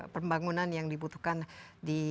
pembangunan yang dibutuhkan di